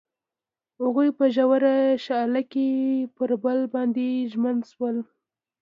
هغوی په ژور شعله کې پر بل باندې ژمن شول.